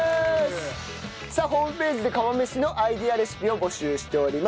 さあホームページで釜飯のアイデアレシピを募集しております。